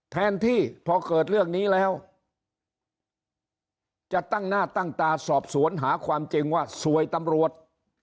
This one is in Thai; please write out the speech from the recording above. แทนที่พอเกิดเรื่องนี้แล้วจะตั้งหน้าตั้งตาสอบสวนหาความจริงว่าสวยตำรวจ